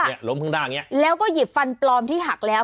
เนี่ยล้มพึ่งด้านเงี้ยแล้วก็หยิบฟันปลอมที่หักแล้ว